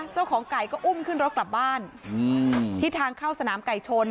เจ้าของไก่ก็อุ้มขึ้นรถกลับบ้านที่ทางเข้าสนามไก่ชน